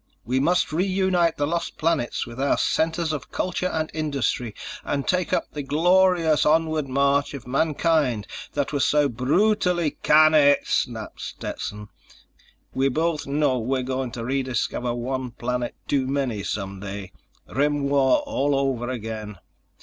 "We must reunite the lost planets with our centers of culture and industry, and take up the glor ious onward march of mankind that was so bru tally—" "Can it!" snapped Stetson. "We both know we're going to rediscover one planet too many some day. Rim War all over again.